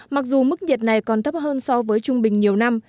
mặc dù mức nhiệt này còn thấp hơn so với trung bình nhiều năm